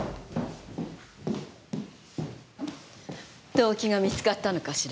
動機が見つかったのかしら？